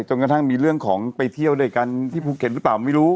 กระทั่งมีเรื่องของไปเที่ยวด้วยกันที่ภูเก็ตหรือเปล่าไม่รู้